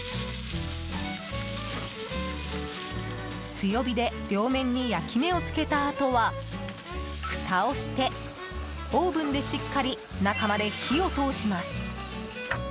強火で両面に焼き目をつけたあとはふたをして、オーブンでしっかり中まで火を通します。